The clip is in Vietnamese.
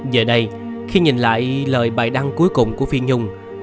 giờ đây khi nhìn lại lời bài đăng cuối cùng của phiên nhung